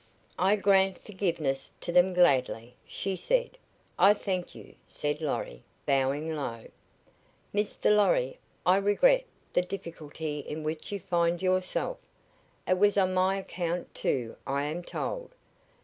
"I grant forgiveness to them gladly," she said. "I thank you," said Lorry, bowing low. "Mr. Lorry, I regret the difficulty in which you find yourself. It was on my account, too, I am told.